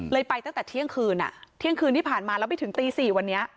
ไปตั้งแต่เที่ยงคืนเที่ยงคืนที่ผ่านมาแล้วไปถึงตี๔วันนี้